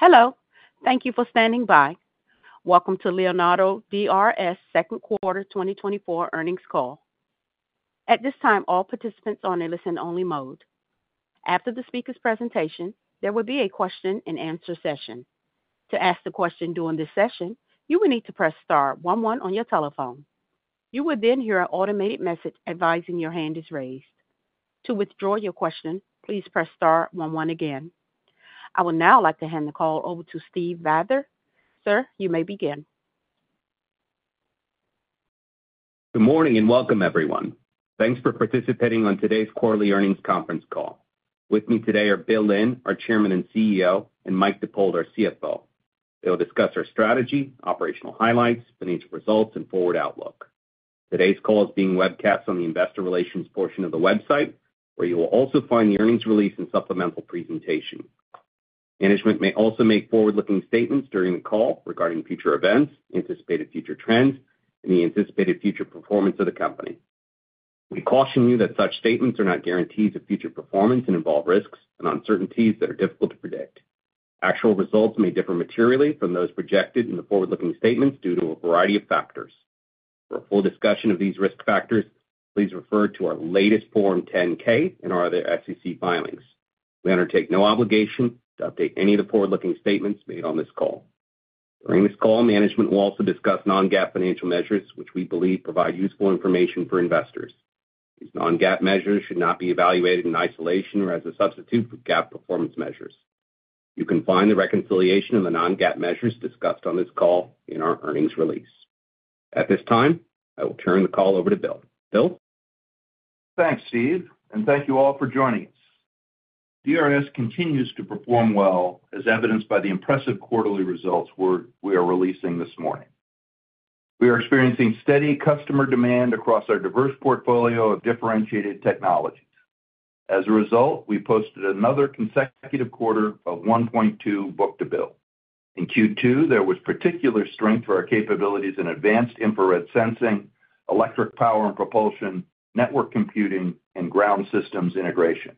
Hello. Thank you for standing by. Welcome to Leonardo DRS second quarter 2024 earnings call. At this time, all participants are in a listen-only mode. After the speaker's presentation, there will be a question-and-answer session. To ask the question during this session, you will need to press star one one on your telephone. You will then hear an automated message advising your hand is raised. To withdraw your question, please press star one one again. I would now like to hand the call over to Steve Vather. Sir, you may begin. Good morning, and welcome, everyone. Thanks for participating on today's quarterly earnings conference call. With me today are Bill Lynn, our Chairman and CEO, and Mike Dippold, our CFO. They will discuss our strategy, operational highlights, financial results, and forward outlook. Today's call is being webcast on the investor relations portion of the website, where you will also find the earnings release and supplemental presentation. Management may also make forward-looking statements during the call regarding future events, anticipated future trends, and the anticipated future performance of the company. We caution you that such statements are not guarantees of future performance and involve risks and uncertainties that are difficult to predict. Actual results may differ materially from those projected in the forward-looking statements due to a variety of factors. For a full discussion of these risk factors, please refer to our latest Form 10-K and our other SEC filings. We undertake no obligation to update any of the forward-looking statements made on this call. During this call, management will also discuss non-GAAP financial measures, which we believe provide useful information for investors. These non-GAAP measures should not be evaluated in isolation or as a substitute for GAAP performance measures. You can find the reconciliation of the non-GAAP measures discussed on this call in our earnings release. At this time, I will turn the call over to Bill. Bill? Thanks, Steve, and thank you all for joining us. DRS continues to perform well, as evidenced by the impressive quarterly results we are releasing this morning. We are experiencing steady customer demand across our diverse portfolio of differentiated technologies. As a result, we posted another consecutive quarter of 1.2 book-to-bill. In Q2, there was particular strength for our capabilities in advanced infrared sensing, electric power and propulsion, network computing, and ground systems integration.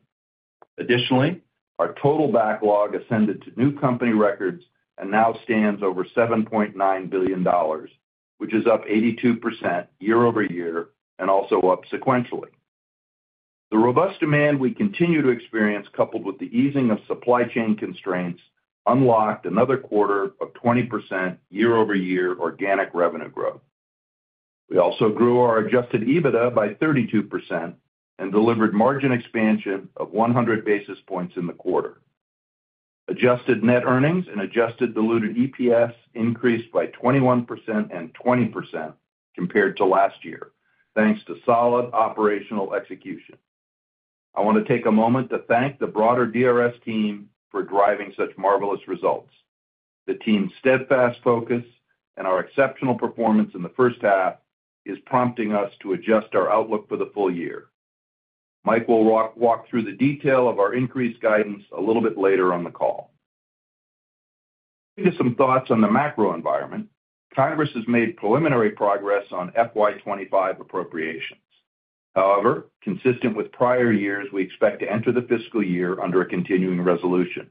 Additionally, our total backlog ascended to new company records and now stands over $7.9 billion, which is up 82% year-over-year and also up sequentially. The robust demand we continue to experience, coupled with the easing of supply chain constraints, unlocked another quarter of 20% year-over-year organic revenue growth. We also grew our adjusted EBITDA by 32% and delivered margin expansion of 100 basis points in the quarter. Adjusted net earnings and adjusted diluted EPS increased by 21% and 20% compared to last year, thanks to solid operational execution. I want to take a moment to thank the broader DRS team for driving such marvelous results. The team's steadfast focus and our exceptional performance in the first half is prompting us to adjust our outlook for the full year. Mike will walk through the detail of our increased guidance a little bit later on the call. Give you some thoughts on the macro environment. Congress has made preliminary progress on FY 2025 appropriations. However, consistent with prior years, we expect to enter the fiscal year under a continuing resolution.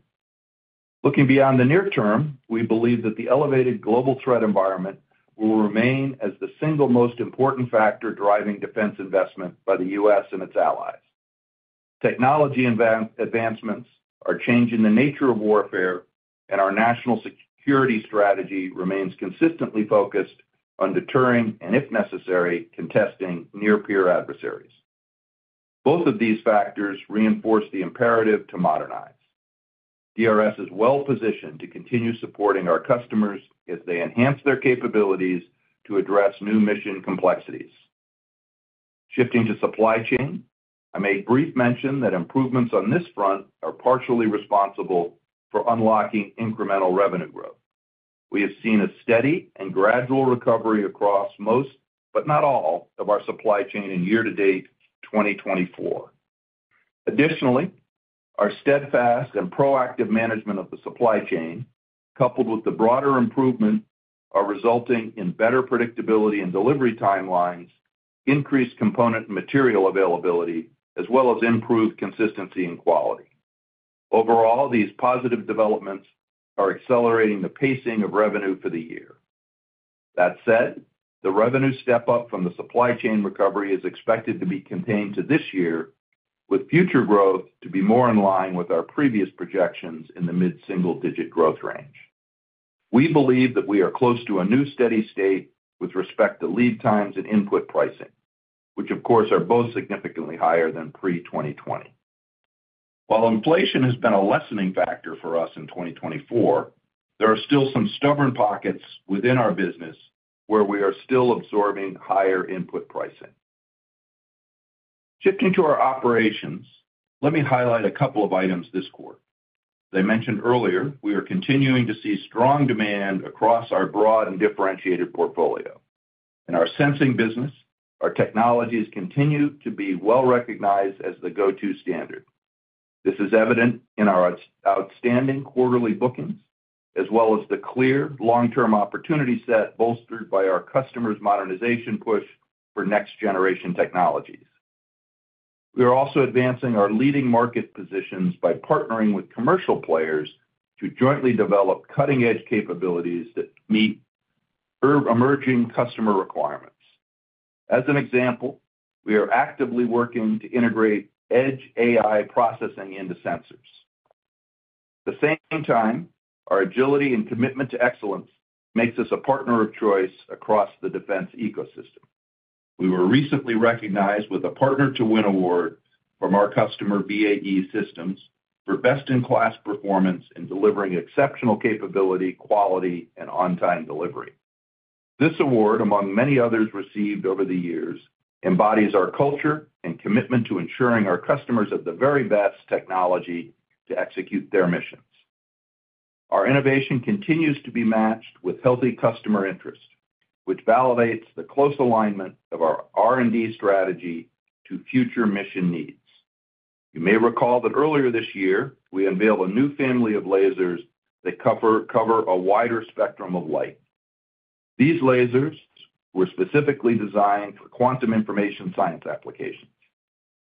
Looking beyond the near term, we believe that the elevated global threat environment will remain as the single most important factor driving defense investment by the U.S. and its allies. Technology advancements are changing the nature of warfare, and our national security strategy remains consistently focused on deterring and, if necessary, contesting near-peer adversaries. Both of these factors reinforce the imperative to modernize. DRS is well positioned to continue supporting our customers as they enhance their capabilities to address new mission complexities. Shifting to supply chain, I made brief mention that improvements on this front are partially responsible for unlocking incremental revenue growth. We have seen a steady and gradual recovery across most, but not all, of our supply chain in year to date, 2024. Additionally, our steadfast and proactive management of the supply chain, coupled with the broader improvement, are resulting in better predictability and delivery timelines, increased component and material availability, as well as improved consistency and quality. Overall, these positive developments are accelerating the pacing of revenue for the year. That said, the revenue step up from the supply chain recovery is expected to be contained to this year, with future growth to be more in line with our previous projections in the mid-single-digit growth range. We believe that we are close to a new steady state with respect to lead times and input pricing, which of course, are both significantly higher than pre-2020. While inflation has been a lessening factor for us in 2024, there are still some stubborn pockets within our business where we are still absorbing higher input pricing. Shifting to our operations, let me highlight a couple of items this quarter. As I mentioned earlier, we are continuing to see strong demand across our broad and differentiated portfolio. In our sensing business, our technologies continue to be well recognized as the go-to standard. This is evident in our outstanding quarterly bookings, as well as the clear long-term opportunity set, bolstered by our customers' modernization push for next-generation technologies. We are also advancing our leading market positions by partnering with commercial players to jointly develop cutting-edge capabilities that meet our emerging customer requirements. As an example, we are actively working to integrate Edge AI processing into sensors. At the same time, our agility and commitment to excellence makes us a partner of choice across the defense ecosystem. We were recently recognized with a Partner2Win award from our customer, BAE Systems, for best-in-class performance in delivering exceptional capability, quality, and on-time delivery. This award, among many others received over the years, embodies our culture and commitment to ensuring our customers have the very best technology to execute their missions. Our innovation continues to be matched with healthy customer interest, which validates the close alignment of our R&D strategy to future mission needs. You may recall that earlier this year, we unveiled a new family of lasers that cover a wider spectrum of light. These lasers were specifically designed for quantum information science applications.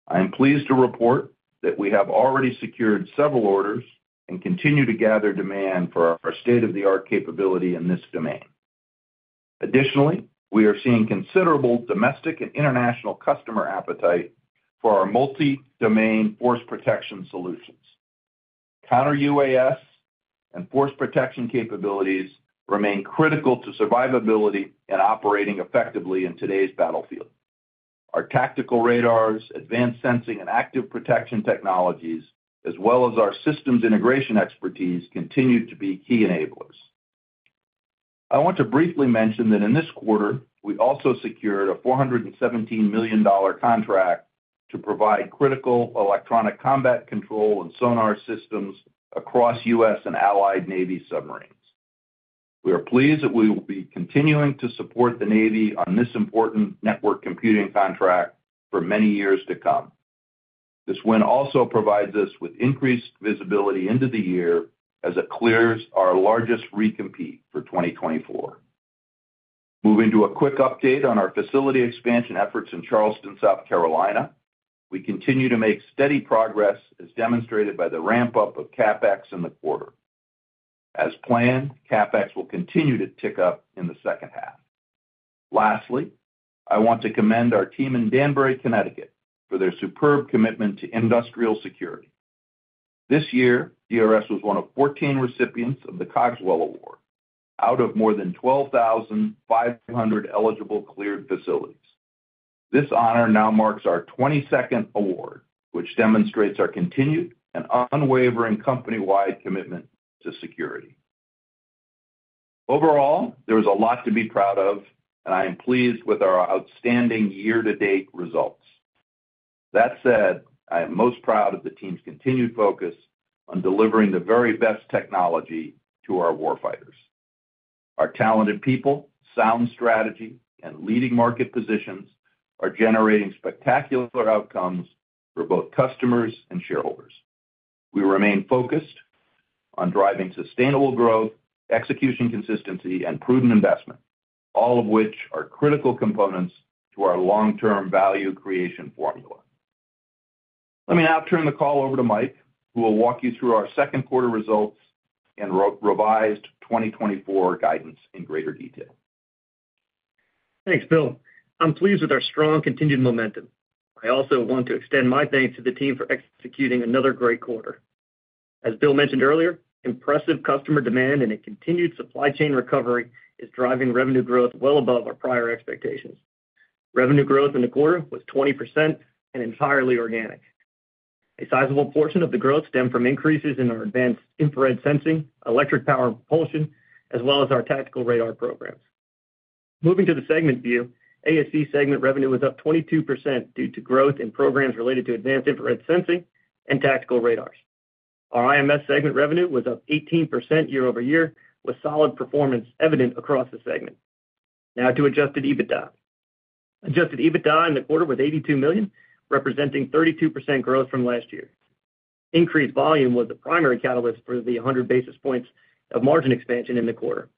I am pleased to report that we have already secured several orders and continue to gather demand for our state-of-the-art capability in this domain. Additionally, we are seeing considerable domestic and international customer appetite for our multi-domain force protection solutions. Counter-UAS and force protection capabilities remain critical to survivability and operating effectively in today's battlefield. Our tactical radars, advanced sensing, and active protection technologies, as well as our systems integration expertise, continue to be key enablers. I want to briefly mention that in this quarter, we also secured a $417 million contract to provide critical electronic combat control and sonar systems across U.S. and allied Navy submarines. We are pleased that we will be continuing to support the Navy on this important network computing contract for many years to come. This win also provides us with increased visibility into the year as it clears our largest recompete for 2024. Moving to a quick update on our facility expansion efforts in Charleston, South Carolina, we continue to make steady progress, as demonstrated by the ramp-up of CapEx in the quarter. As planned, CapEx will continue to tick up in the second half. Lastly, I want to commend our team in Danbury, Connecticut, for their superb commitment to industrial security. This year, DRS was one of 14 recipients of the Cogswell Award, out of more than 12,500 eligible cleared facilities. This honor now marks our 22nd award, which demonstrates our continued and unwavering company-wide commitment to security. Overall, there is a lot to be proud of, and I am pleased with our outstanding year-to-date results. That said, I am most proud of the team's continued focus on delivering the very best technology to our war fighters. Our talented people, sound strategy, and leading market positions are generating spectacular outcomes for both customers and shareholders. We remain focused on driving sustainable growth, execution, consistency, and prudent investment, all of which are critical components to our long-term value creation formula. Let me now turn the call over to Mike, who will walk you through our second quarter results and revised 2024 guidance in greater detail. Thanks, Bill. I'm pleased with our strong continued momentum. I also want to extend my thanks to the team for executing another great quarter. As Bill mentioned earlier, impressive customer demand and a continued supply chain recovery is driving revenue growth well above our prior expectations. Revenue growth in the quarter was 20% and entirely organic. A sizable portion of the growth stemmed from increases in our advanced infrared sensing, electric power and propulsion, as well as our tactical radar programs. Moving to the segment view, ASC segment revenue was up 22% due to growth in programs related to advanced infrared sensing and tactical radars. Our IMS segment revenue was up 18% year-over-year, with solid performance evident across the segment. Now to adjusted EBITDA. Adjusted EBITDA in the quarter was $82 million, representing 32% growth from last year. Increased volume was the primary catalyst for the 100 basis points of margin expansion in the quarter.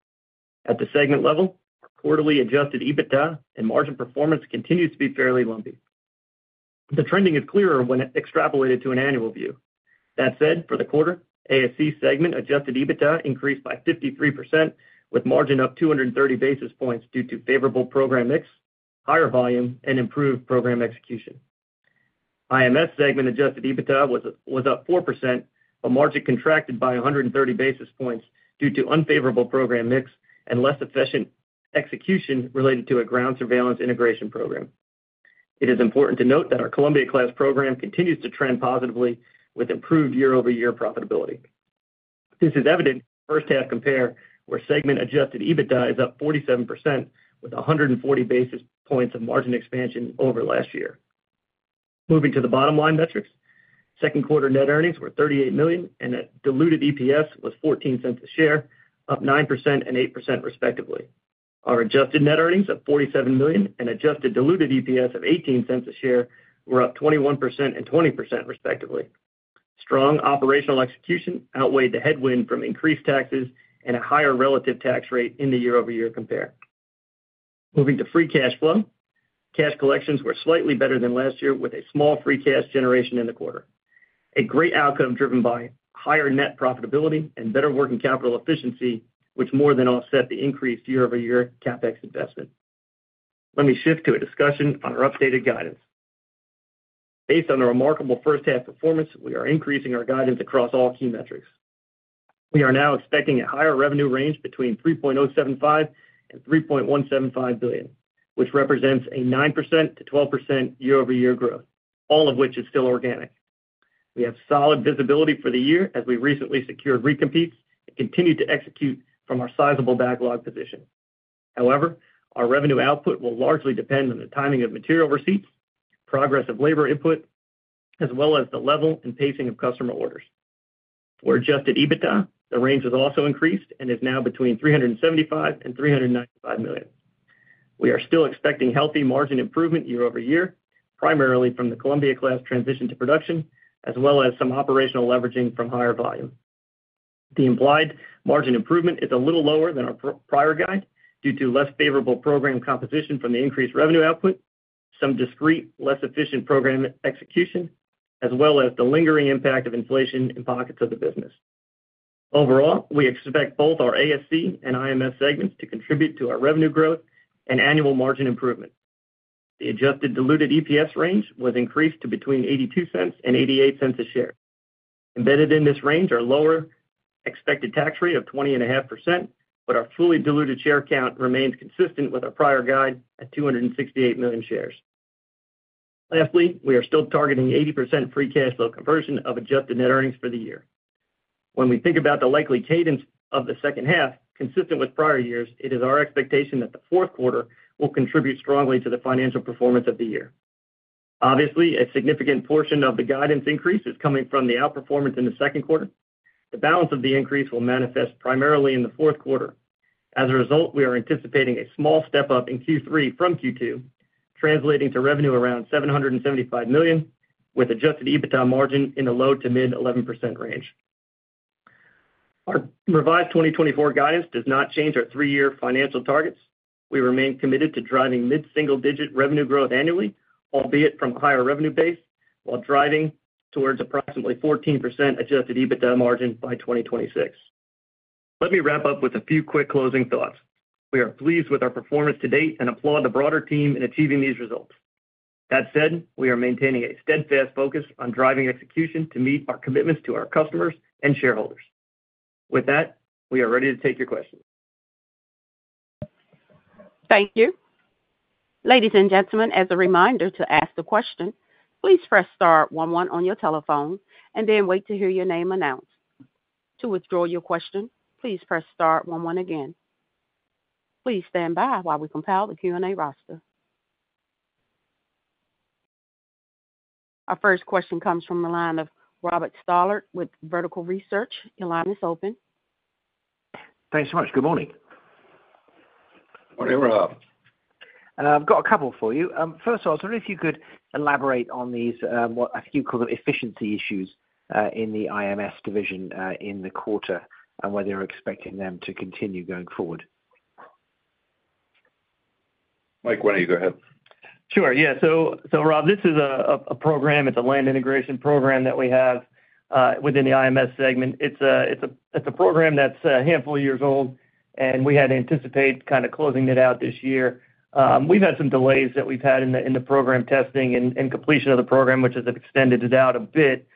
At the segment level, quarterly adjusted EBITDA and margin performance continued to be fairly lumpy. The trending is clearer when extrapolated to an annual view. That said, for the quarter, ASC segment adjusted EBITDA increased by 53%, with margin up 230 basis points due to favorable program mix, higher volume, and improved program execution. IMS segment adjusted EBITDA was up 4%, but margin contracted by 130 basis points due to unfavorable program mix and less efficient execution related to a ground surveillance integration program. It is important to note that our Columbia class program continues to trend positively with improved year-over-year profitability. This is evident in the first half compare, where segment-adjusted EBITDA is up 47%, with 140 basis points of margin expansion over last year. Moving to the bottom line metrics. Second quarter net earnings were $38 million, and diluted EPS was $0.14 per share, up 9% and 8% respectively. Our adjusted net earnings of $47 million and adjusted diluted EPS of $0.18 per share were up 21% and 20% respectively. Strong operational execution outweighed the headwind from increased taxes and a higher relative tax rate in the year-over-year compare. Moving to free cash flow. Cash collections were slightly better than last year, with a small free cash generation in the quarter. A great outcome driven by higher net profitability and better working capital efficiency, which more than offset the increased year-over-year CapEx investment. Let me shift to a discussion on our updated guidance. Based on the remarkable first half performance, we are increasing our guidance across all key metrics. We are now expecting a higher revenue range between $3.075 billion-$3.175 billion, which represents a 9%-12% year-over-year growth, all of which is still organic. We have solid visibility for the year as we recently secured re-competes and continued to execute from our sizable backlog position. However, our revenue output will largely depend on the timing of material receipts, progress of labor input, as well as the level and pacing of customer orders. For adjusted EBITDA, the range has also increased and is now between $375 million-$395 million. We are still expecting healthy margin improvement year-over-year, primarily from the Columbia class transition to production, as well as some operational leveraging from higher volume. The implied margin improvement is a little lower than our prior guide, due to less favorable program composition from the increased revenue output, some discrete, less efficient program execution, as well as the lingering impact of inflation in pockets of the business. Overall, we expect both our ASC and IMS segments to contribute to our revenue growth and annual margin improvement. The adjusted diluted EPS range was increased to between $0.82 and $0.88 a share. Embedded in this range are lower expected tax rate of 20.5%, but our fully diluted share count remains consistent with our prior guide at 268 million shares. Lastly, we are still targeting 80% free cash flow conversion of adjusted net earnings for the year. When we think about the likely cadence of the second half, consistent with prior years, it is our expectation that the fourth quarter will contribute strongly to the financial performance of the year. Obviously, a significant portion of the guidance increase is coming from the outperformance in the second quarter. The balance of the increase will manifest primarily in the fourth quarter. As a result, we are anticipating a small step-up in Q3 from Q2, translating to revenue around $775 million, with adjusted EBITDA margin in the low-to-mid 11% range. Our revised 2024 guidance does not change our three-year financial targets. We remain committed to driving mid-single-digit revenue growth annually, albeit from a higher revenue base, while driving towards approximately 14% adjusted EBITDA margin by 2026. Let me wrap up with a few quick closing thoughts. We are pleased with our performance to date and applaud the broader team in achieving these results. That said, we are maintaining a steadfast focus on driving execution to meet our commitments to our customers and shareholders. With that, we are ready to take your questions. Thank you. Ladies and gentlemen, as a reminder to ask the question, please press star one one on your telephone and then wait to hear your name announced. To withdraw your question, please press star one one again. Please stand by while we compile the Q&A roster. Our first question comes from the line of Robert Stallard with Vertical Research. Your line is open. Thanks so much. Good morning. Morning, Rob. I've got a couple for you. First of all, I was wondering if you could elaborate on these, what I think you call them, efficiency issues, in the IMS division, in the quarter, and whether you're expecting them to continue going forward. Mike, why don't you go ahead? Sure, yeah. So, Rob, this is a program; it's a land integration program that we have within the IMS segment. It's a program that's a handful of years old, and we had anticipated kind of closing it out this year. We've had some delays that we've had in the program testing and completion of the program, which has extended it out a bit.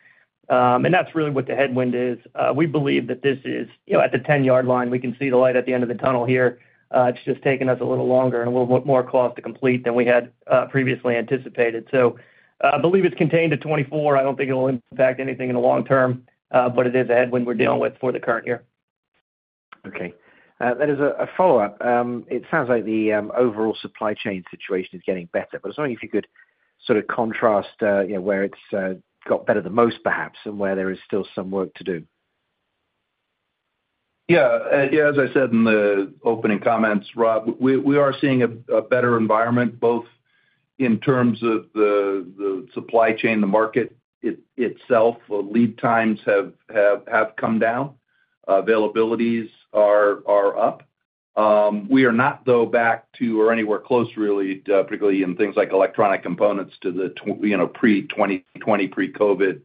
And that's really what the headwind is. We believe that this is, you know, at the 10-yard line; we can see the light at the end of the tunnel here. It's just taking us a little longer and a little more cost to complete than we had previously anticipated. So, I believe it's contained to 2024. I don't think it'll impact anything in the long term, but it is a headwind we're dealing with for the current year. Okay. That is a follow-up. It sounds like the overall supply chain situation is getting better, but I was wondering if you could sort of contrast, you know, where it's got better than most perhaps, and where there is still some work to do. Yeah, yeah, as I said in the opening comments, Rob, we are seeing a better environment, both in terms of the supply chain, the market itself. The lead times have come down. Availabilities are up. We are not, though, back to or anywhere close, really, particularly in things like electronic components to the, you know, pre-2020, pre-COVID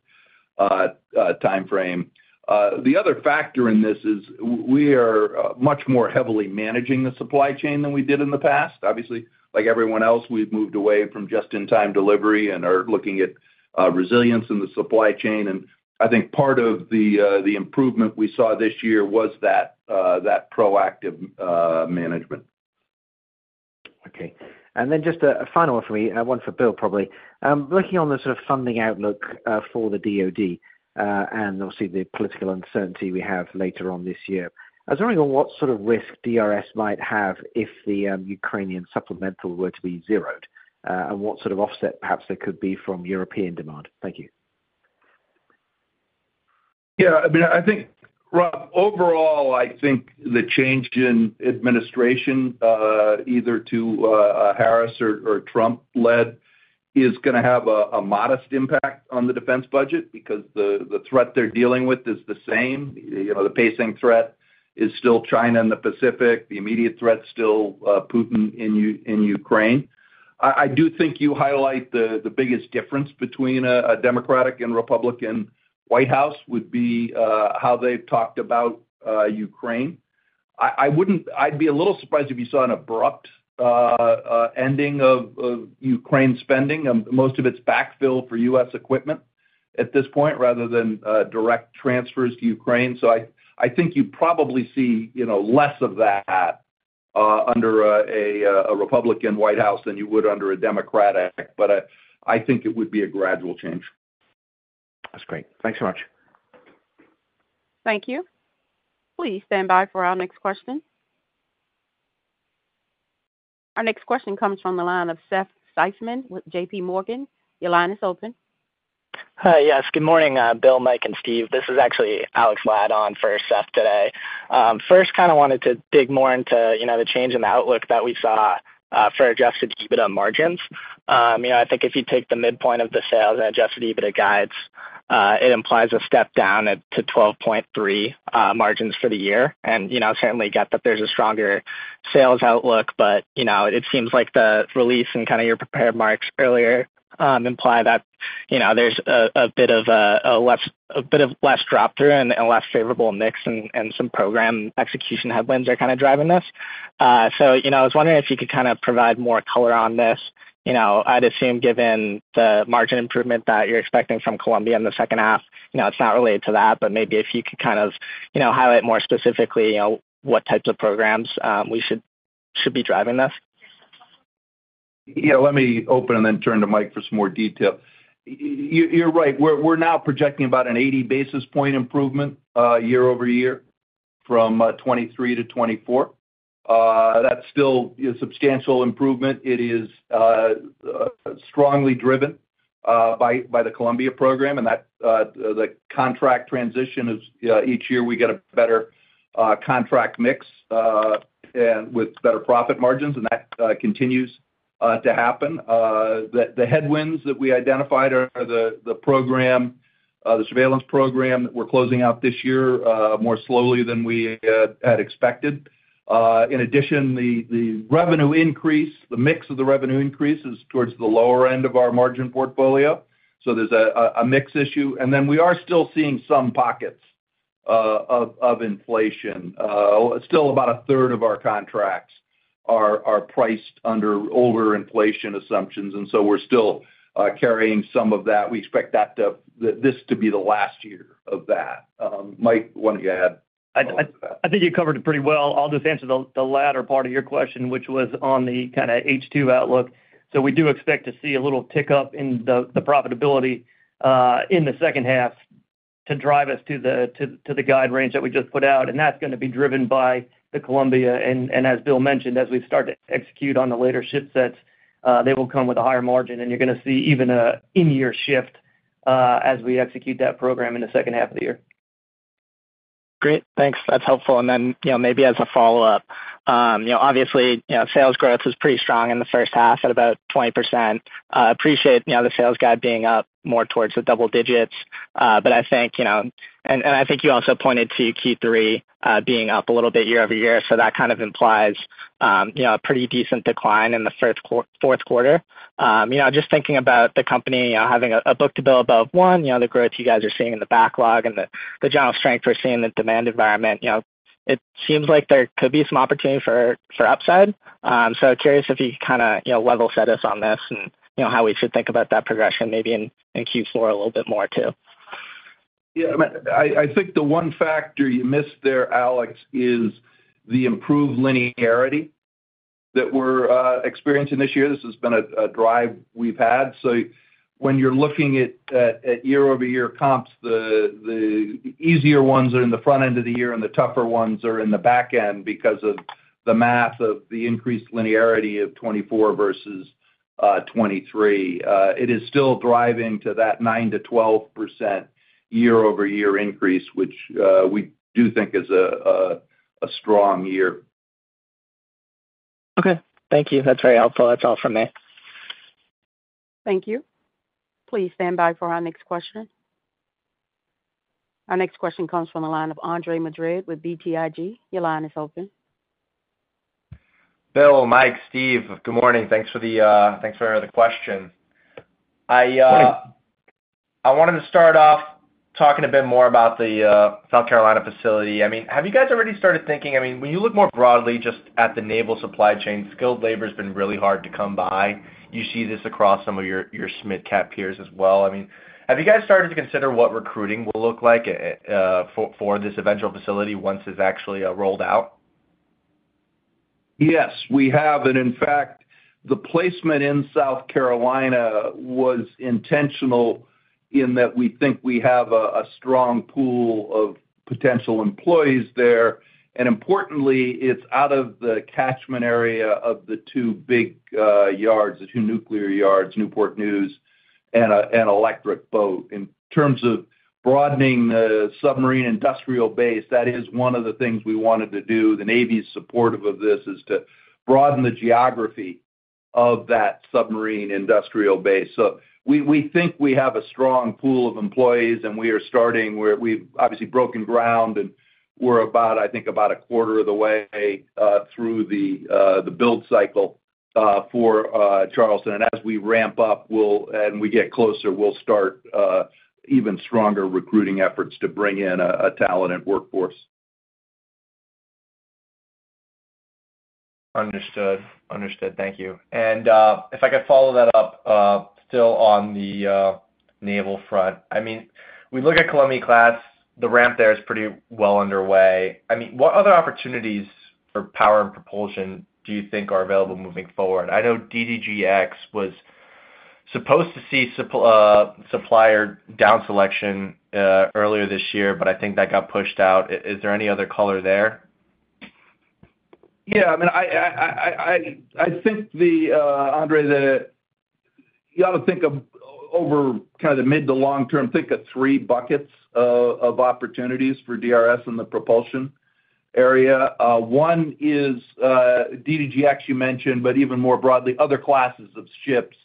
timeframe. The other factor in this is we are much more heavily managing the supply chain than we did in the past. Obviously, like everyone else, we've moved away from just-in-time delivery and are looking at resilience in the supply chain. And I think part of the improvement we saw this year was that proactive management. Okay. And then just a final one for me, one for Bill, probably. Looking on the sort of funding outlook for the DoD, and obviously the political uncertainty we have later on this year, I was wondering on what sort of risk DRS might have if the Ukrainian supplemental were to be zeroed, and what sort of offset perhaps there could be from European demand? Thank you. Yeah, I mean, I think, Rob, overall, I think the change in administration, either to Harris or Trump led is gonna have a modest impact on the defense budget because the threat they're dealing with is the same. You know, the pacing threat is still China in the Pacific, the immediate threat is still Putin in Ukraine. I do think you highlight the biggest difference between a Democratic and Republican White House would be how they've talked about Ukraine. I wouldn't. I'd be a little surprised if you saw an abrupt ending of Ukraine spending. Most of it's backfill for U.S. equipment at this point, rather than direct transfers to Ukraine. So I think you'd probably see, you know, less of that under a Republican White House than you would under a Democratic. But I think it would be a gradual change. That's great. Thanks so much. Thank you. Please stand by for our next question. Our next question comes from the line of Seth Seifman with JPMorgan. Your line is open. Hi. Yes, good morning, Bill, Mike, and Steve. This is actually Alex Ladd on for Seth today. First, kind of wanted to dig more into, you know, the change in the outlook that we saw for adjusted EBITDA margins. You know, I think if you take the midpoint of the sales and adjusted EBITDA guides, it implies a step down to 12.3 margins for the year. You know, certainly get that there's a stronger sales outlook, but, you know, it seems like the release and kind of your prepared remarks earlier imply that, you know, there's a bit of a less, a bit of less drop through and a less favorable mix and some program execution headwinds are kind of driving this. So, you know, I was wondering if you could kind of provide more color on this. You know, I'd assume, given the margin improvement that you're expecting from Columbia in the second half, you know, it's not related to that, but maybe if you could kind of, you know, highlight more specifically, you know, what types of programs we should be driving this. Yeah, let me open and then turn to Mike for some more detail. You're right. We're now projecting about an 80 basis point improvement year-over-year from 2023-2024. That's still a substantial improvement. It is strongly driven by the Columbia program, and the contract transition is each year we get a better contract mix and with better profit margins, and that continues to happen. The headwinds that we identified are the program, the surveillance program that we're closing out this year more slowly than we had expected. In addition, the revenue increase, the mix of the revenue increase is towards the lower end of our margin portfolio, so there's a mix issue. And then we are still seeing some pockets of inflation. Still about a third of our contracts are priced under overinflation assumptions, and so we're still carrying some of that. We expect this to be the last year of that. Mike, why don't you add on to that? I think you covered it pretty well. I'll just answer the latter part of your question, which was on the kind of H2 outlook. So we do expect to see a little tick up in the profitability in the second half to drive us to the guide range that we just put out, and that's gonna be driven by the Columbia. And as Bill mentioned, as we start to execute on the later ship sets, they will come with a higher margin, and you're gonna see even an in-year shift as we execute that program in the second half of the year. Great. Thanks. That's helpful. And then, you know, maybe as a follow-up, you know, obviously, you know, sales growth was pretty strong in the first half at about 20%. Appreciate, you know, the sales guide being up more towards the double digits. But I think, you know, and I think you also pointed to Q3 being up a little bit year-over-year, so that kind of implies, you know, a pretty decent decline in the fourth quarter. You know, just thinking about the company, you know, having a book-to-bill above one, you know, the growth you guys are seeing in the backlog and the general strength we're seeing in the demand environment, you know, it seems like there could be some opportunity for upside. So curious if you kind of, you know, level set us on this, and you know, how we should think about that progression maybe in Q4 a little bit more too? Yeah, I think the one factor you missed there, Alex, is the improved linearity that we're experiencing this year. This has been a drive we've had. So when you're looking at year-over-year comps, the easier ones are in the front end of the year, and the tougher ones are in the back end because of the math of the increased linearity of 2024 versus 2023. It is still driving to that 9%-12% year-over-year increase, which we do think is a strong year. Okay. Thank you. That's very helpful. That's all from me. Thank you. Please stand by for our next question. Our next question comes from the line of Andre Madrid with BTIG. Your line is open. Bill, Mike, Steve, good morning. Thanks for the question. I, I wanted to start off talking a bit more about the, South Carolina facility. I mean, have you guys already started thinking... I mean, when you look more broadly just at the naval supply chain, skilled labor's been really hard to come by. You see this across some of your small cap peers as well. I mean, have you guys started to consider what recruiting will look like, for this eventual facility once it's actually, rolled out? Yes, we have. And in fact, the placement in South Carolina was intentional in that we think we have a strong pool of potential employees there, and importantly, it's out of the catchment area of the two big yards, the two nuclear yards, Newport News and Electric Boat. In terms of broadening the submarine industrial base, that is one of the things we wanted to do, the Navy is supportive of this, is to broaden the geography of that submarine industrial base. So we think we have a strong pool of employees, and we are starting where we've obviously broken ground, and we're about, I think, a quarter of the way through the build cycle for Charleston. And as we ramp up, and we get closer, we'll start even stronger recruiting efforts to bring in a talented workforce. Understood. Understood. Thank you. And, if I could follow that up, still on the, naval front. I mean, we look at Columbia class, the ramp there is pretty well underway. I mean, what other opportunities for power and propulsion do you think are available moving forward? I know DDG(X) was supposed to see supplier down selection, earlier this year, but I think that got pushed out. Is there any other color there? Yeah, I mean, I think the, Andre, you ought to think of over kind of the mid- to long-term, think of three buckets of opportunities for DRS in the propulsion area. One is DDG(X), you mentioned, but even more broadly, other classes of ships,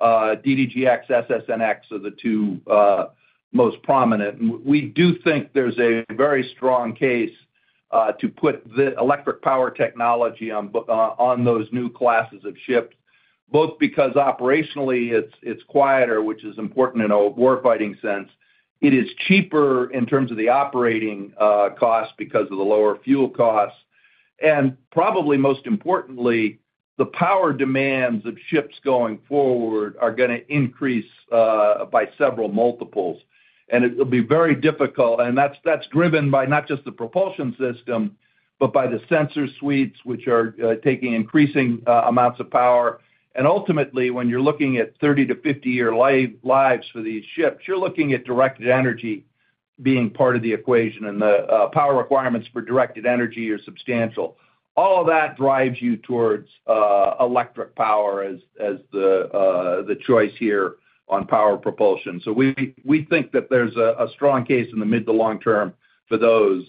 DDG(X), SSN(X) are the two most prominent. We do think there's a very strong case to put the electric power technology on those new classes of ships, both because operationally, it's quieter, which is important in a war-fighting sense. It is cheaper in terms of the operating costs because of the lower fuel costs. And probably most importantly, the power demands of ships going forward are gonna increase by several multiples. And it'll be very difficult. And that's driven by not just the propulsion system, but by the sensor suites, which are taking increasing amounts of power. And ultimately, when you're looking at 30-50 year lives for these ships, you're looking at directed energy being part of the equation, and the power requirements for directed energy are substantial. All of that drives you towards electric power as the choice here on power propulsion. So we think that there's a strong case in the mid to long term for those.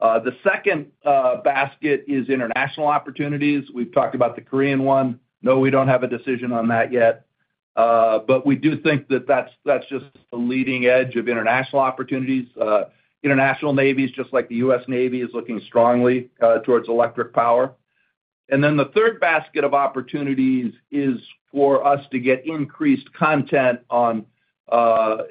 The second basket is international opportunities. We've talked about the Korean one. No, we don't have a decision on that yet, but we do think that that's just the leading edge of international opportunities. International navies, just like the U.S. Navy, is looking strongly towards electric power. And then the third basket of opportunities is for us to get increased content on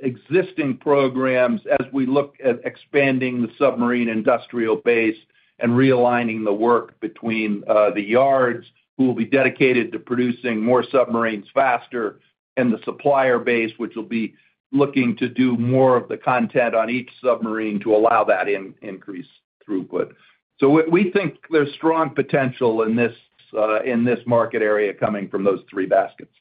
existing programs as we look at expanding the submarine industrial base and realigning the work between the yards, who will be dedicated to producing more submarines faster, and the supplier base, which will be looking to do more of the content on each submarine to allow that increase throughput. So we think there's strong potential in this market area coming from those three baskets.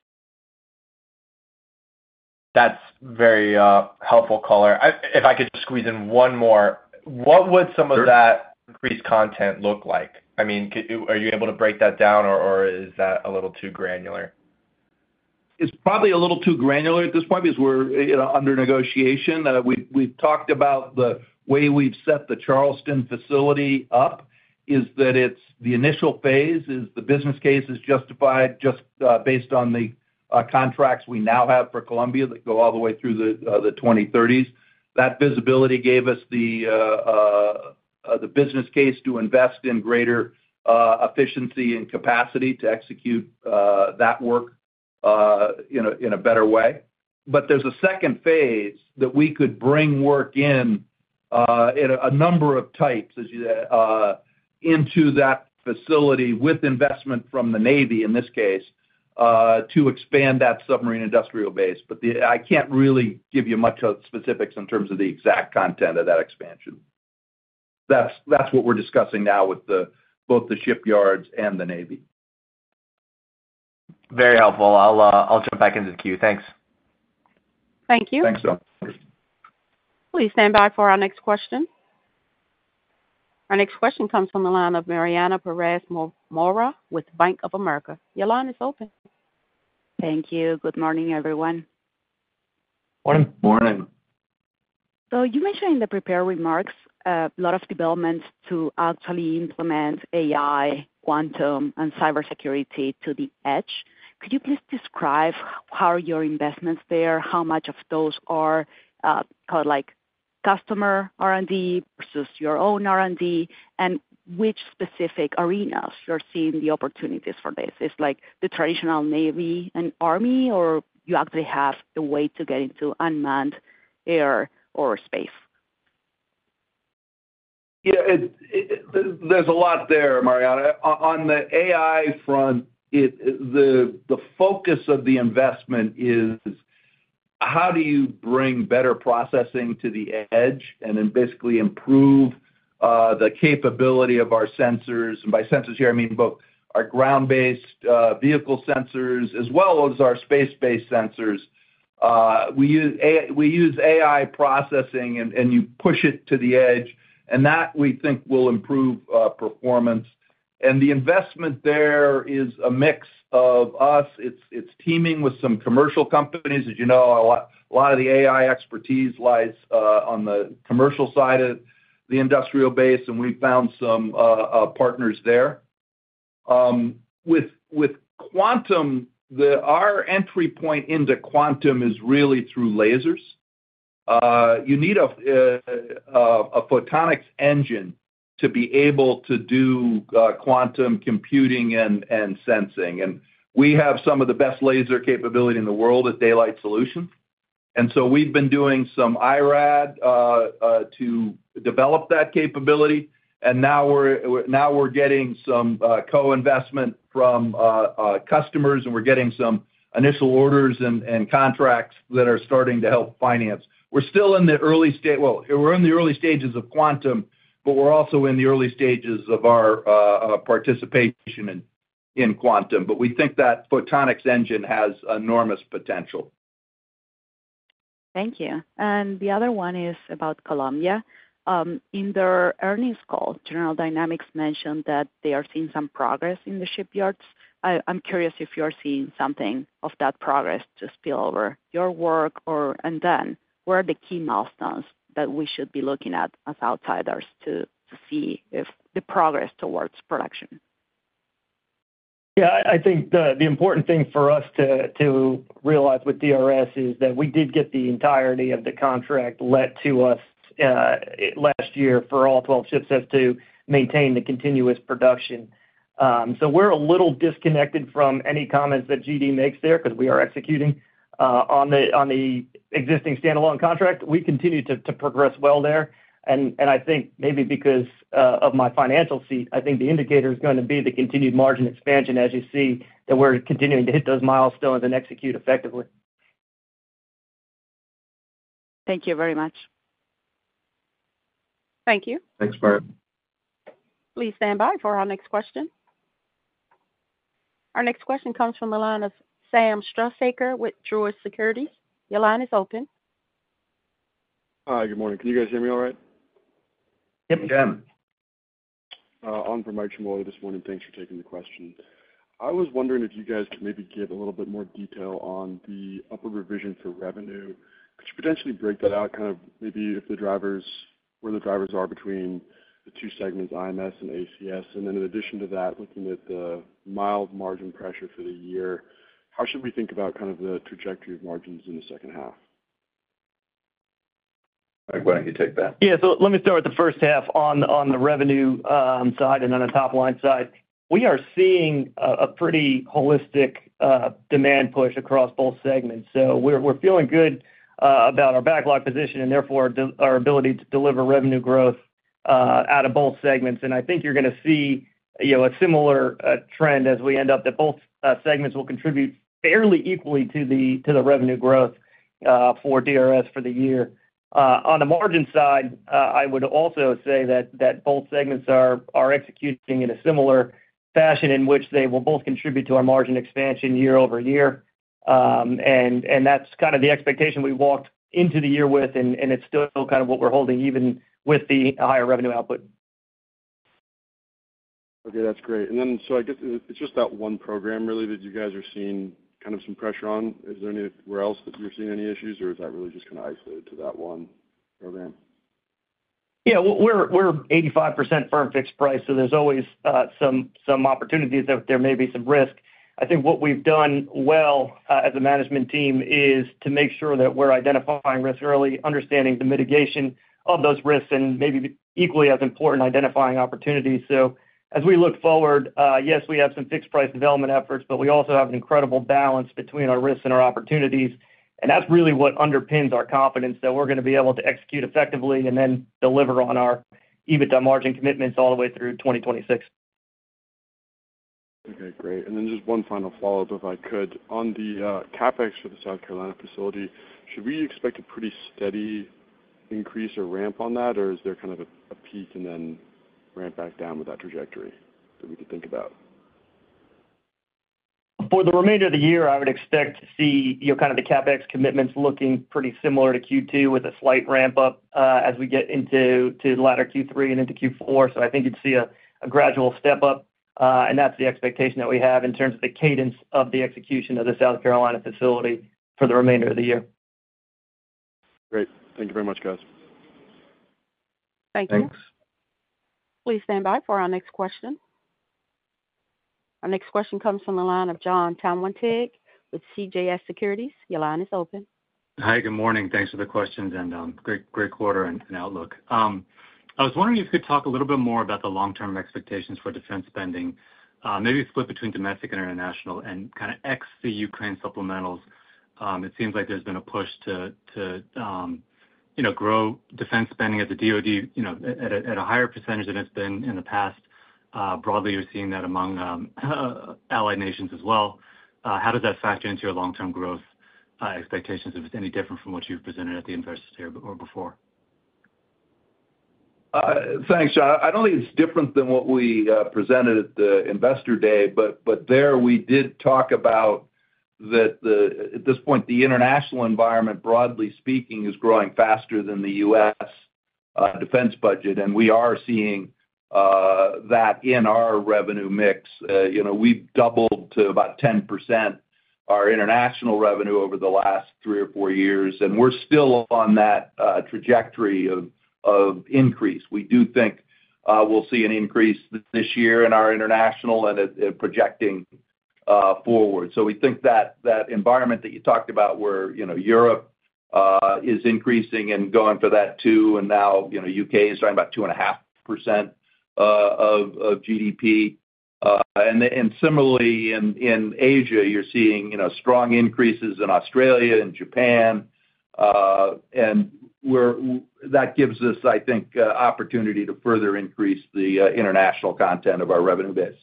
That's very helpful color. If I could just squeeze in one more. Sure. What would some of that increased content look like? I mean, are you able to break that down, or, or is that a little too granular? It's probably a little too granular at this point because we're, you know, under negotiation. We've talked about the way we've set the Charleston facility up is that it's the initial phase, is the business case is justified just based on the contracts we now have for Columbia that go all the way through the 2030s. That visibility gave us the business case to invest in greater efficiency and capacity to execute that work in a better way. But there's a second phase that we could bring work in, in a number of types, as you into that facility with investment from the Navy, in this case, to expand that submarine industrial base. But the... I can't really give you much of specifics in terms of the exact content of that expansion. That's what we're discussing now with both the shipyards and the Navy. Very helpful. I'll, I'll jump back into the queue. Thanks. Thank you. Thanks, Andre. Please stand by for our next question. Our next question comes from the line of Mariana Pérez Mora with Bank of America. Your line is open. Thank you. Good morning, everyone. Morning. Morning. So you mentioned in the prepared remarks, a lot of developments to actually implement AI, quantum, and cybersecurity to the edge. Could you please describe how are your investments there? How much of those are, kind of like customer R&D versus your own R&D? And which specific arenas you're seeing the opportunities for this? It's like the traditional Navy and Army, or you actually have the way to get into unmanned air or space? Yeah, it, there's a lot there, Mariana. On the AI front, the focus of the investment is, how do you bring better processing to the edge and then basically improve the capability of our sensors? And by sensors here, I mean both our ground-based vehicle sensors as well as our space-based sensors. We use AI processing, and you push it to the edge, and that, we think, will improve performance. And the investment there is a mix of us. It's teaming with some commercial companies. As you know, a lot of the AI expertise lies on the commercial side of the industrial base, and we found some partners there. With quantum, our entry point into quantum is really through lasers. You need a photonics engine to be able to do quantum computing and sensing. And we have some of the best laser capability in the world at Daylight Solutions. And so we've been doing some IRAD to develop that capability, and now we're getting some co-investment from customers, and we're getting some initial orders and contracts that are starting to help finance. We're still in the early stages of quantum, but we're also in the early stages of our participation in quantum. But we think that photonics engine has enormous potential. Thank you. And the other one is about Columbia. In their earnings call, General Dynamics mentioned that they are seeing some progress in the shipyards. I'm curious if you're seeing something of that progress to spill over your work, or, and then, what are the key milestones that we should be looking at as outsiders to see if the progress towards production? Yeah, I think the important thing for us to realize with DRS is that we did get the entirety of the contract let to us last year for all 12 ships, as to maintain the continuous production. So we're a little disconnected from any comments that GD makes there, 'cause we are executing on the existing standalone contract. We continue to progress well there. I think maybe because of my financial seat, I think the indicator is gonna be the continued margin expansion, as you see that we're continuing to hit those milestones and execute effectively. Thank you very much. Thank you. Thanks. Please stand by for our next question. Our next question comes from the line of Sam Struhsaker with Truist Securities. Your line is open. Hi, good morning. Can you guys hear me all right? Yep. We can. Sam from Truist this morning. Thanks for taking the question. I was wondering if you guys could maybe give a little bit more detail on the upper revision for revenue. Could you potentially break that out, kind of maybe if the drivers, where the drivers are between the two segments, IMS and ACS? And then in addition to that, looking at the mild margin pressure for the year, how should we think about kind of the trajectory of margins in the second half? Mike, why don't you take that? Yeah. So let me start with the first half on, on the revenue, side, and on the top line side. We are seeing a, a pretty holistic, demand push across both segments. So we're, we're feeling good, about our backlog position and therefore, our ability to deliver revenue growth, out of both segments. And I think you're gonna see, you know, a similar, trend as we end up, that both, segments will contribute fairly equally to the, to the revenue growth, for DRS for the year. On the margin side, I would also say that, that both segments are, are executing in a similar fashion in which they will both contribute to our margin expansion year-over-year. And that's kind of the expectation we walked into the year with, and it's still kind of what we're holding, even with the higher revenue output. Okay, that's great. And then, so I guess it's just that one program really that you guys are seeing kind of some pressure on. Is there anywhere else that you're seeing any issues, or is that really just kind of isolated to that one program? Yeah, we're 85% firm fixed price, so there's always some opportunities that there may be some risk. I think what we've done well as a management team is to make sure that we're identifying risks early, understanding the mitigation of those risks, and maybe equally as important, identifying opportunities. So as we look forward, yes, we have some fixed price development efforts, but we also have an incredible balance between our risks and our opportunities. And that's really what underpins our confidence that we're gonna be able to execute effectively and then deliver on our EBITDA margin commitments all the way through 2026. Okay, great. And then just one final follow-up, if I could. On the CapEx for the South Carolina facility, should we expect a pretty steady increase or ramp on that, or is there kind of a peak and then ramp back down with that trajectory that we could think about? For the remainder of the year, I would expect to see, you know, kind of the CapEx commitments looking pretty similar to Q2, with a slight ramp up, as we get into the latter Q3 and into Q4. So I think you'd see a gradual step up, and that's the expectation that we have in terms of the cadence of the execution of the South Carolina facility for the remainder of the year. Great. Thank you very much, guys. Thank you. Thanks. Please stand by for our next question. Our next question comes from the line of Jon Tanwanteng with CJS Securities. Your line is open. Hi, good morning. Thanks for the questions, and great, great quarter and outlook. I was wondering if you could talk a little bit more about the long-term expectations for defense spending, maybe split between domestic and international, and kind of ex the Ukraine supplementals. It seems like there's been a push to, to, you know, grow defense spending at the DoD, you know, at a, at a higher percentage than it's been in the past. Broadly, you're seeing that among allied nations as well. How does that factor into your long-term growth expectations, if it's any different from what you've presented at the Investor Day or before? Thanks, Jon. I don't think it's different than what we presented at the Investor Day, but there we did talk about that at this point, the international environment, broadly speaking, is growing faster than the U.S. defense budget. And we are seeing that in our revenue mix. You know, we've doubled to about 10% our international revenue over the last 3 or 4 years, and we're still on that trajectory of increase. We do think we'll see an increase this year in our international and it and projecting forward. So we think that environment that you talked about where, you know, Europe is increasing and going for that two, and now, you know, U.K. is talking about 2.5% of GDP. And similarly, in Asia, you're seeing, you know, strong increases in Australia and Japan, and that gives us, I think, opportunity to further increase the international content of our revenue base.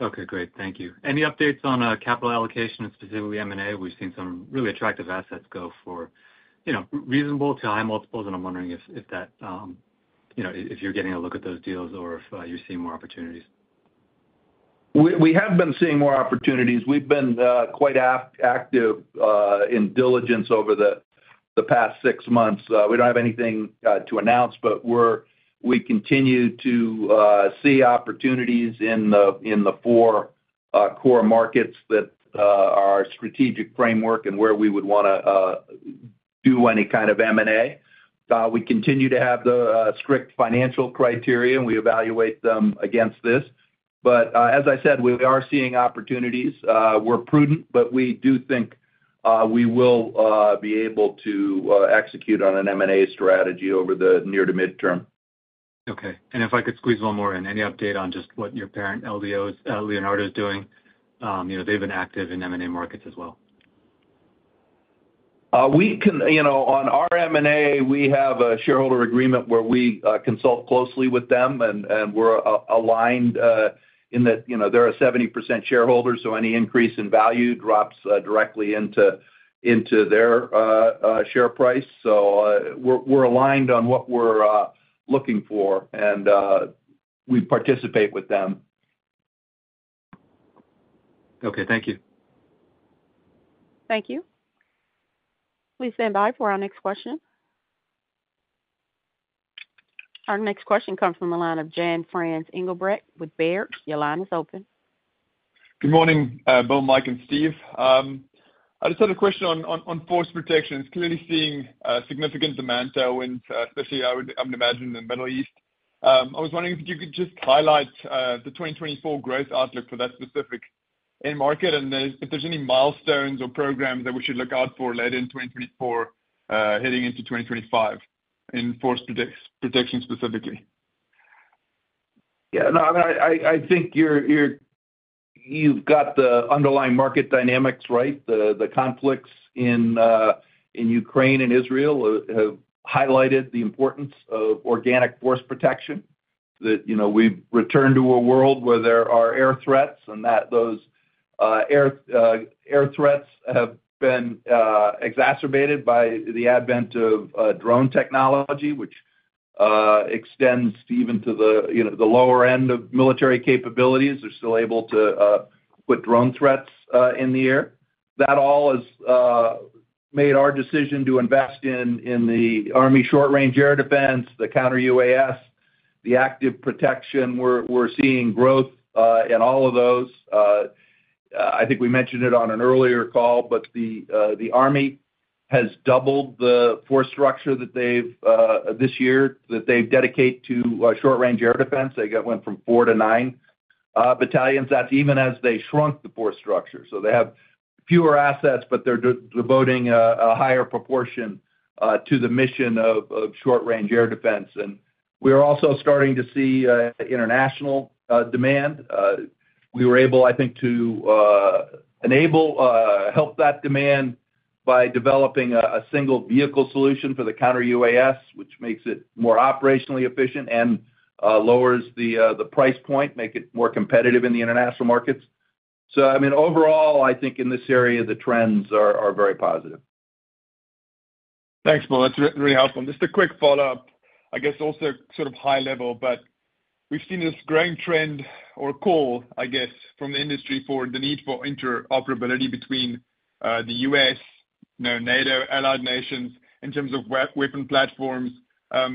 Okay, great. Thank you. Any updates on capital allocation, and specifically M&A? We've seen some really attractive assets go for, you know, reasonable to high multiples, and I'm wondering if, if that, you know, if you're getting a look at those deals or if you're seeing more opportunities. We have been seeing more opportunities. We've been quite active in diligence over the past six months. We don't have anything to announce, but we continue to see opportunities in the four core markets that are our strategic framework and where we would wanna do any kind of M&A. We continue to have the strict financial criteria, and we evaluate them against this. But as I said, we are seeing opportunities. We're prudent, but we do think we will be able to execute on an M&A strategy over the near to midterm. Okay. And if I could squeeze one more in: Any update on just what your parent, Leonardo's, Leonardo is doing? You know, they've been active in M&A markets as well. You know, on our M&A, we have a shareholder agreement where we consult closely with them, and we're aligned in that, you know, they're a 70% shareholder, so any increase in value drops directly into their share price. So, we're aligned on what we're looking for, and we participate with them. Okay, thank you. Thank you. Please stand by for our next question. Our next question comes from the line of Jan-Frans Engelbrecht with Baird. Your line is open. Good morning, Bill, Mike, and Steve. I just had a question on, on force protection. It's clearly seeing significant demand headwinds, especially, I would imagine, in the Middle East. I was wondering if you could just highlight the 2024 growth outlook for that specific end market, and then if there's any milestones or programs that we should look out for late in 2024, heading into 2025 in force protection specifically. Yeah. No, I think you've got the underlying market dynamics right. The conflicts in Ukraine and Israel have highlighted the importance of organic force protection, that, you know, we've returned to a world where there are air threats, and that those air threats have been exacerbated by the advent of drone technology, which extends even to the, you know, the lower end of military capabilities, they're still able to put drone threats in the air. That all has made our decision to invest in the Army Short Range Air Defense, the counter-UAS, the active protection. We're seeing growth in all of those. I think we mentioned it on an earlier call, but the Army has doubled the force structure that they've this year that they dedicate to short-range air defense. They went from 4-9 battalions. That's even as they shrunk the force structure. So they have fewer assets, but they're devoting a higher proportion to the mission of short-range air defense. And we are also starting to see international demand. We were able, I think, to enable help that demand by developing a single vehicle solution for the counter-UAS, which makes it more operationally efficient and lowers the price point, make it more competitive in the international markets. So, I mean, overall, I think in this area, the trends are very positive. Thanks, Bill. That's really helpful. Just a quick follow-up, I guess, also sort of high level, but we've seen this growing trend or call, I guess, from the industry for the need for interoperability between, the U.S., you know, NATO, allied nations, in terms of weapon platforms.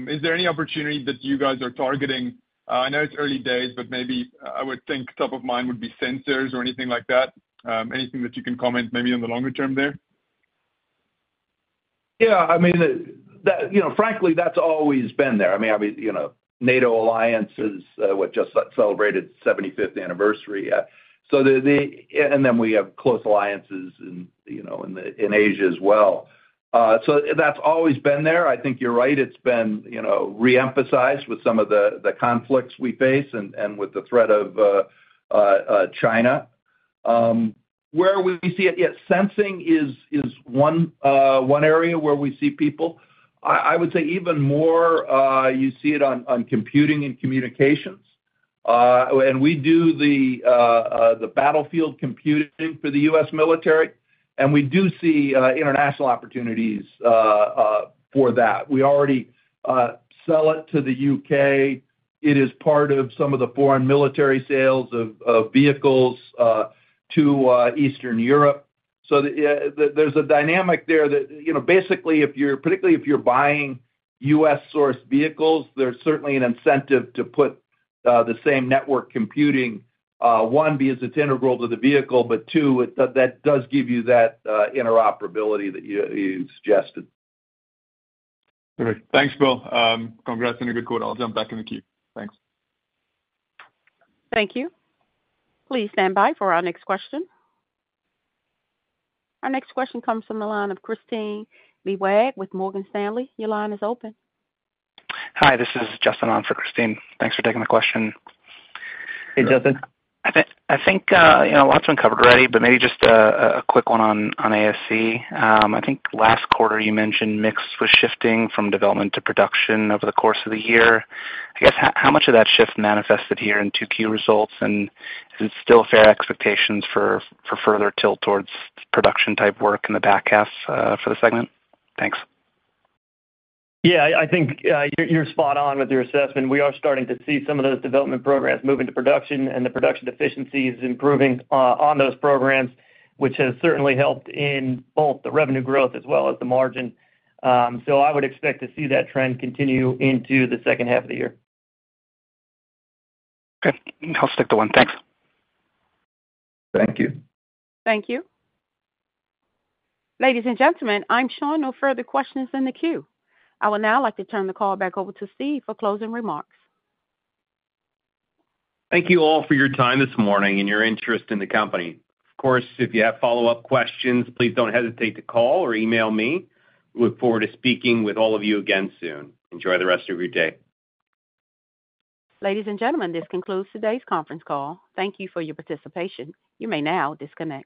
Is there any opportunity that you guys are targeting? I know it's early days, but maybe, I would think top of mind would be sensors or anything like that. Anything that you can comment, maybe on the longer term there? Yeah, I mean, you know, frankly, that's always been there. I mean, obviously, you know, NATO alliance is just celebrated 75th anniversary. So, then we have close alliances in, you know, in Asia as well. So that's always been there. I think you're right. It's been, you know, re-emphasized with some of the conflicts we face and with the threat of China. Where we see it, yes, sensing is one area where we see people. I would say even more, you see it on computing and communications. And we do the battlefield computing for the U.S. military, and we do see international opportunities for that. We already sell it to the U.K. It is part of some of the foreign military sales of vehicles to Eastern Europe. So there's a dynamic there that, you know, basically, if you're, particularly if you're buying U.S.-sourced vehicles, there's certainly an incentive to put the same network computing, one, because it's integral to the vehicle, but two, that does give you that interoperability that you suggested. Great. Thanks, Bill. Congrats on a good quarter. I'll jump back in the queue. Thanks. Thank you. Please stand by for our next question. Our next question comes from the line of Kristine Liwag with Morgan Stanley. Your line is open. Hi, this is Justin on for Kristine. Thanks for taking the question. Hey, Justin. I think, I think, you know, a lot's been covered already, but maybe just a quick one on ASC. I think last quarter you mentioned mix was shifting from development to production over the course of the year. I guess how much of that shift manifested here in Q2 results? And is it still fair expectations for further tilt towards production-type work in the back half, for the segment? Thanks. Yeah, I think you're spot on with your assessment. We are starting to see some of those development programs move into production, and the production efficiency is improving on those programs, which has certainly helped in both the revenue growth as well as the margin. So, I would expect to see that trend continue into the second half of the year. Okay. I'll stick to one. Thanks. Thank you. Thank you. Ladies and gentlemen, I'm showing no further questions in the queue. I would now like to turn the call back over to Steve for closing remarks. Thank you all for your time this morning and your interest in the company. Of course, if you have follow-up questions, please don't hesitate to call or email me. Look forward to speaking with all of you again soon. Enjoy the rest of your day. Ladies and gentlemen, this concludes today's conference call. Thank you for your participation. You may now disconnect.